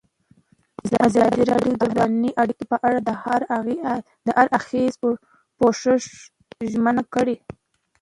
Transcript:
ازادي راډیو د بهرنۍ اړیکې په اړه د هر اړخیز پوښښ ژمنه کړې.